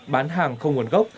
bán hàng không nguồn gốc